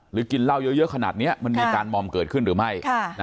กินเหล้าเยอะขนาดนี้มันมีการมอมเกิดขึ้นหรือไม่